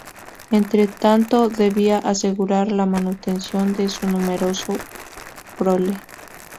Entre tanto, debía asegurar la manutención de su numerosa prole.